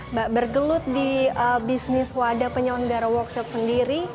mbak bergelut di bisnis wadah penyelenggara workshop sendiri